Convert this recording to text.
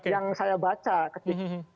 yang saya baca ketika